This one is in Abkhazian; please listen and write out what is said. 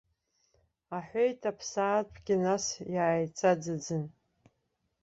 Аҳәеит аԥсаатәгьы, нас иааиҵаӡыӡан.